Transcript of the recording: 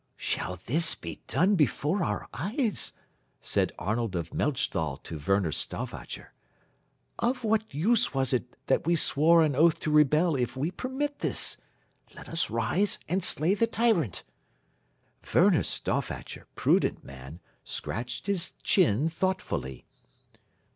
"Shall this be done before our eyes?" said Arnold of Melchthal to Werner Stauffacher. "Of what use was it that we swore an oath to rebel if we permit this? Let us rise and slay the tyrant." Werner Stauffacher, prudent man, scratched his chin thoughtfully.